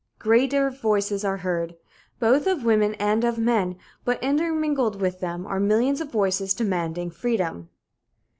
Great voices are heard, both of women and of men, but intermingled with them are millions of voices demanding freedom.